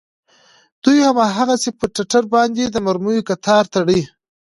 دوى هم هماغسې پر ټټر باندې د مرميو کتار تړي.